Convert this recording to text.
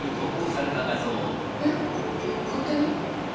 えっ勝手に？